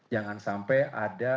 jangan sampai ada